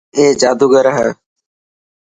اي جادوگر هي.